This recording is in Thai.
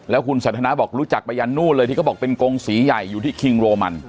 แล้วคุณสันทนาบอกรู้จักไปยันนู่นเลยที่เขาบอกเป็นกงสีใหญ่อยู่ที่คิงโรมัน